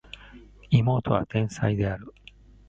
妹は天才である